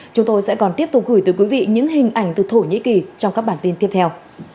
chúng tôi sẽ còn tiếp tục gửi tới quý vị những hình ảnh từ thổ nhĩ kỳ trong các bản tin tiếp theo